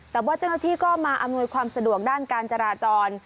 แต่ว่าเจ้าหน้าที่ก็มาอำนวยความสะดวกด้านการจราจร